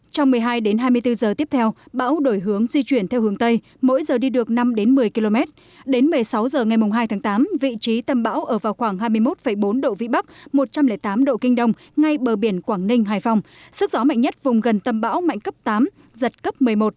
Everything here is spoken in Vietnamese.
trong một mươi hai đến hai mươi bốn giờ tiếp theo bão đổi hướng di chuyển theo hướng tây mỗi giờ đi được năm một mươi km đến một mươi sáu h ngày hai tháng tám vị trí tâm bão ở vào khoảng hai mươi một bốn độ vĩ bắc một trăm linh tám độ kinh đông ngay bờ biển quảng ninh hải phòng sức gió mạnh nhất vùng gần tâm bão mạnh cấp tám giật cấp một mươi một